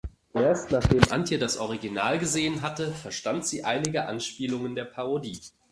Erst nachdem Antje das Original gesehen hatte, verstand sie einige Anspielungen der Parodie.